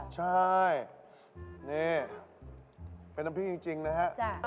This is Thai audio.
ใช่นี่เป็นน้ำพริกจริงนะฮะ